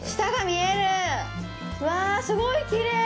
うわぁ、すごいきれい！